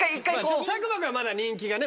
佐久間君はまだ人気がね